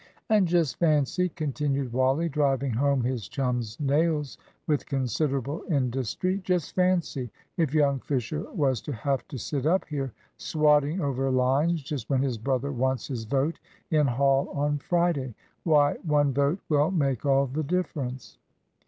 "And just fancy," continued Wally, driving home his chum's nails with considerable industry, "just fancy if young Fisher was to have to sit up here swotting over lines, just when his brother wants his vote in Hall on Friday! Why, one vote will make all the difference."